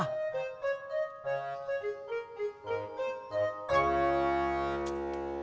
apa yang bener ini ini